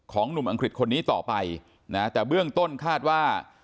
หนุ่มอังกฤษคนนี้ต่อไปนะแต่เบื้องต้นคาดว่า